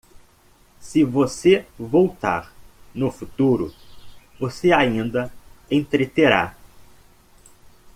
Se você voltar no futuro, você ainda entreterá